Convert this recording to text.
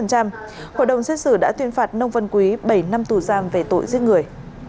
hội đồng xét xử đã tuyên phạt nông văn quý bảy năm tù giam về tội giết người